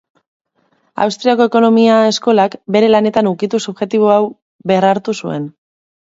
Austriako ekonomia eskolak bere lanetan ukitu subjektibo hau berrartu zuen.